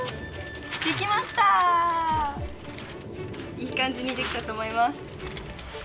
いい感じにできたと思います。